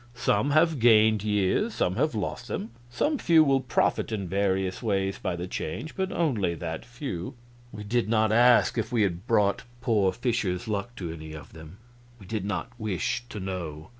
Some have gained years, some have lost them. Some few will profit in various ways by the change, but only that few." We did not ask if we had brought poor Fischer's luck to any of them. We did not wish to know.